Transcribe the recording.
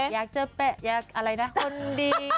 อยากเจอคนดี